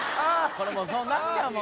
「これもうそうなっちゃうもんな」